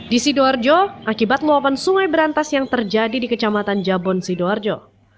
di sidoarjo akibat luapan sungai berantas yang terjadi di kecamatan jabon sidoarjo